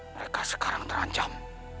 mereka sekarang terancam